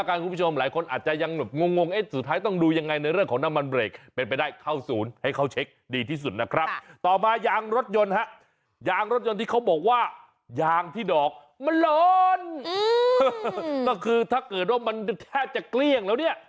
ถ้ามันดังอย่างนี้ต้องเรียบเปลี่ยน